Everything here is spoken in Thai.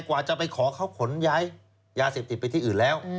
กว่าจะไปขอเขาขนย้ายยาเสพติดไปที่อื่นแล้ว